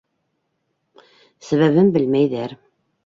Сәбәбен белмәйҙәр.